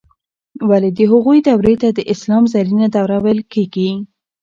ولې د هغوی دورې ته د اسلام زرینه دوره ویل کیږي؟